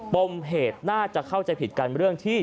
ปมเหตุน่าจะเข้าใจผิดกันเรื่องที่